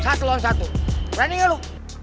satu lawan satu running lu